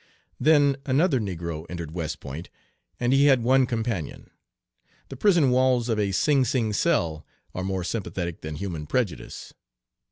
Then another negro entered West Point, and he had one companion. The prison walls of a Sing Sing cell are more sympathetic than human prejudice.